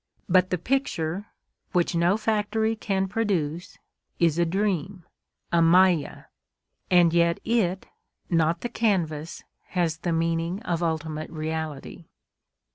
But the picture which no factory can produce is a dream, a máyá, and yet it, not the canvas, has the meaning of ultimate reality.